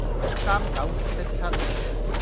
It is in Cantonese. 三九唔識七